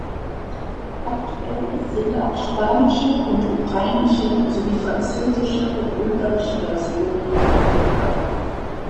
Aktuell sind auch spanische und ukrainische, sowie französische und ungarische Versionen verfügbar.